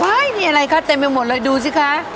ว้าวนี่อะไรคะเต็มไปหมดเลยดูสิคะไอศกรีม